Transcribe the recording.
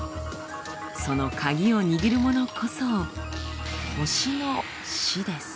そのカギを握るものこそ星の死です。